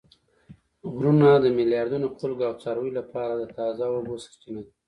غرونه د میلیاردونو خلکو او څارویو لپاره د تازه اوبو سرچینه ده